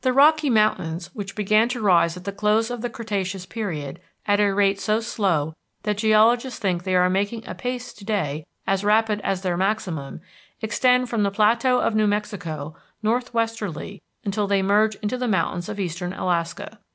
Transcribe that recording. The Rocky Mountains, which began to rise at the close of the Cretaceous Period at a rate so slow that geologists think they are making a pace to day as rapid as their maximum, extend from the plateau of New Mexico northwesterly until they merge into the mountains of eastern Alaska.